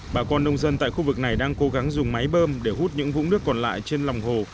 bà con nông dân tại khu vực này đang cố gắng dùng máy bơm để hút những vũng nước còn lại trên lòng hồ